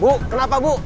bu kenapa bu